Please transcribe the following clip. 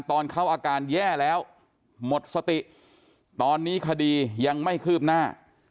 ตอนเขาอาการแย่แล้วหมดสติตอนนี้คดียังไม่คืบหน้า